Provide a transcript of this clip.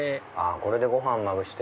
これでご飯にまぶして。